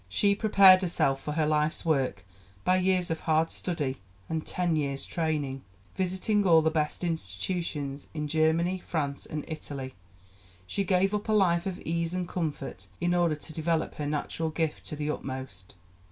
She prepared herself for her life's work by years of hard study and ten years' training, visiting all the best institutions in Germany, France, and Italy. She gave up a life of ease and comfort in order to develop her natural gift to the utmost.